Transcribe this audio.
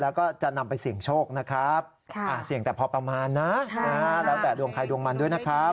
แล้วก็จะนำไปเสี่ยงโชคนะครับเสี่ยงแต่พอประมาณนะแล้วแต่ดวงใครดวงมันด้วยนะครับ